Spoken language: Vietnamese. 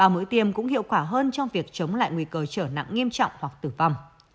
mũi tiêm cũng hiệu quả hơn trong việc chống lại nguy cơ trở nặng nghiêm trọng hoặc tử vong